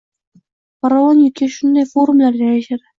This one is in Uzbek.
Farovon yurtga shunday forumlar yarashadi.